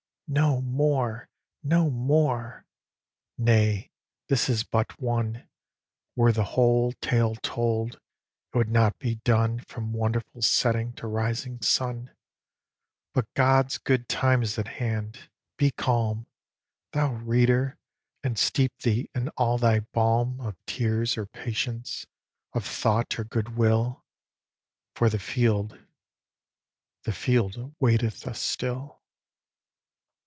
["No more! no more!" Nay, this is but one; Were the whole tale told, it would not be done From wonderful setting to rising sun. But God's good time is at hand be calm, Thou reader! and steep thee in all thy balm Of tears or patience, of thought or good will, For the field the field awaiteth us still.